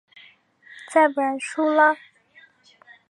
再不然输了？